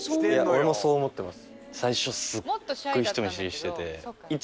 俺もそう思ってます。